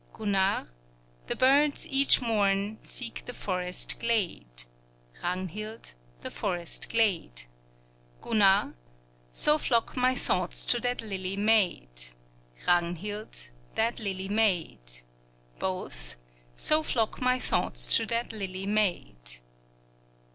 Gunnar The birds each morn seek the forest glade, Ragnhild The forest glade; Gunnar So flock my thoughts to that lily maid, Ragnhild That lily maid; Both So flock my thoughts to that lily maid.